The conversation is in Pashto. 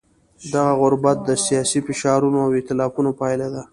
دغه غربت د سیاسي فشارونو او ایتلافونو پایله ده.